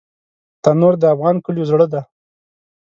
تنور د افغان کلیو زړه دی